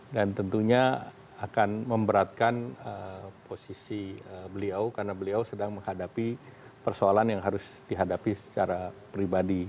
dan tentunya akan memberatkan posisi beliau karena beliau sedang menghadapi persoalan yang harus dihadapi secara pribadi